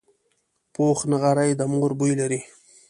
پوخ نغری د مور بوی لري